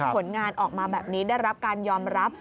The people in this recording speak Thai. ผลงานออกมาแบบนี้ได้รับการยอมรับ